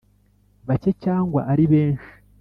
Bake cyangwa ari benshi